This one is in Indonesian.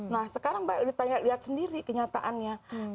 nah sekarang mbak ditanya lihat sendiri kenyataannya